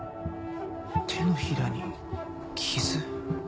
手のひらに傷。